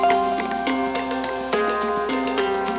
yang ada di ruangan akm asyik